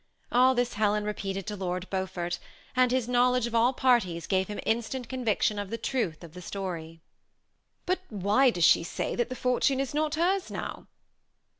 All this Helen repeated to Lord Beaufort, and his knowledge of all parties gave him instant conviction of the truth of the story. •" But why does she say that the fortune is not hers now?"